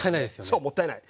そうもったいない。